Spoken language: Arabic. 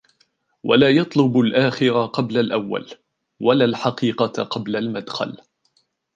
وَلَا يَطْلُبُ الْآخِرَ قَبْلَ الْأَوَّلِ ، وَلَا الْحَقِيقَةَ قَبْلَ الْمَدْخَلِ